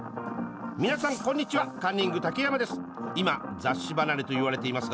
皆さん、こんにちはカンニング竹山です。